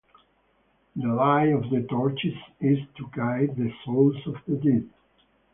The light of the torches is to guide the souls of the dead.